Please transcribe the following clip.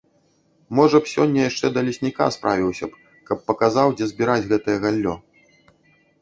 Можа б сёння яшчэ да лесніка справіўся б, каб паказаў, дзе збіраць гэтае галлё.